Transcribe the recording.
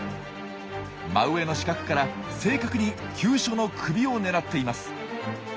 真上の死角から正確に急所の首を狙っています。